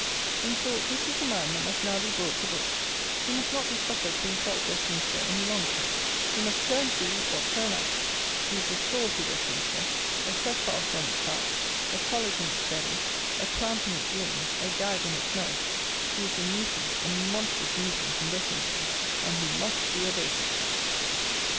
In short, this is a man that must now be brought to book; he must not be suffered to insult Westminster any longer: he must turn to or turn out: he is a sore to Westminster; a set fast on its back; a cholic in its belly; a cramp in its limbs; a gag in its mouth: he is a nuisance, a monstrous nuisance, in Westminster, and he must be abated.